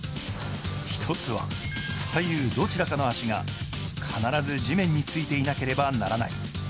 一つは、左右どちらかの脚が必ず地面についていなければならない。